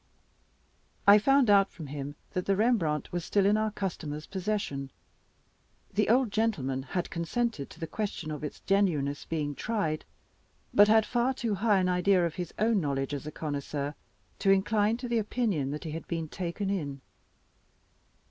I found out from him that the Rembrandt was still in our customer's possession. The old gentleman had consented to the question of its genuineness being tried, but had far too high an idea of his own knowledge as a connoisseur to incline to the opinion that he had been taken in.